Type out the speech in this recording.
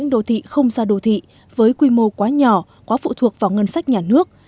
đô thị không ra đô thị với quy mô quá nhỏ quá phụ thuộc vào ngân sách nhà nước